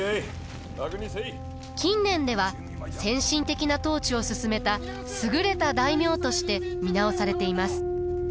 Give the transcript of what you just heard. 近年では先進的な統治をすすめた優れた大名として見直されています。